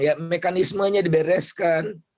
ya mekanismenya dibereskan